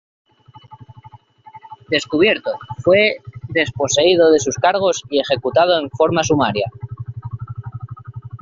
Descubierto, fue desposeído de sus cargos y ejecutado en forma sumaria.